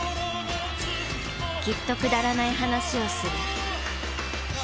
きっとくだらない話をする。